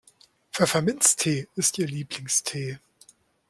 Pfefferminztee ist ihr Lieblingstee.